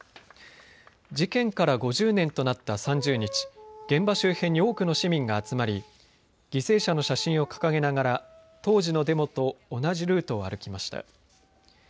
事件から５０年となった３０日、現場周辺に多くの市民が集まり犠牲者の写真を掲げながら当時のデモと同じルートを歩きました。